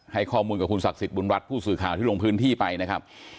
ให้ข้อมูลกับคุณศักดิ์สิทธิบุญรัฐผู้สื่อข่าวที่ลงพื้นที่ไปนะครับ